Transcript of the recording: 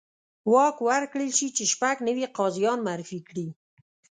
واک ورکړل شي چې شپږ نوي قاضیان معرفي کړي.